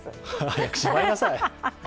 早くしまいなさい。